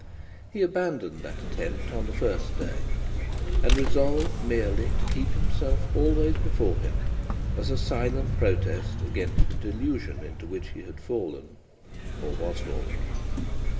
He abandoned that attempt on the first day, and resolved merely to keep himself always before him, as a silent protest against the delusion into which he had fallen, or was falling.